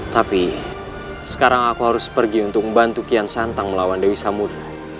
tapi sekarang aku harus pergi untuk membantu kian santang melawan dewi samud